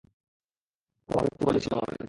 তোমাকে কি বলেছিলাম আমি?